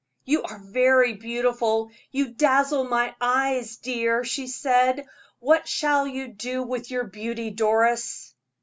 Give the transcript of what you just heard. "You are very beautiful; you dazzle my eyes, dear," she said. "What shall you do with your beauty, Doris?"